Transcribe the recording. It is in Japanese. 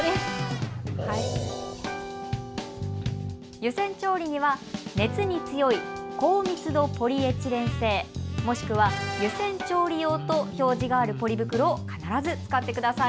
湯煎調理には熱に強い高密度ポリエチレン製、もしくは湯煎調理用と表示があるポリ袋を必ず使ってください。